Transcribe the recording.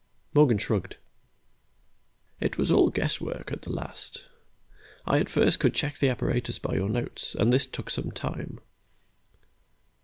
Morgan shrugged. "It was all guess work at the last. I at first could check the apparatus by your notes, and this took some time.